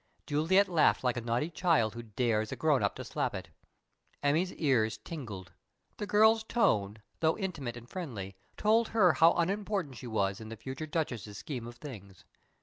Juliet laughed like a naughty child who dares a "grown up" to slap it. Emmy's ears tingled. The girl's tone, though intimate and friendly, told her how unimportant she was in the future Duchess's scheme of things.